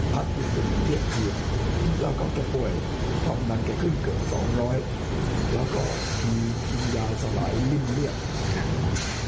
แล้วก็ทำให้อาจารย์สุขหนักโครงแต่หนักโครงขนาดไหนผมไม่รู้